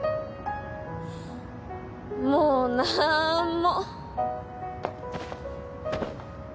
もうなんも。